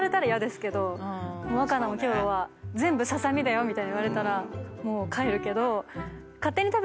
「わかなも今日は全部ササミだよ」みたいに言われたらもう帰るけど。